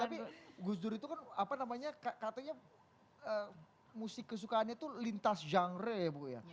tapi gus dur itu kan apa namanya katanya musik kesukaannya itu lintas genre ya bu ya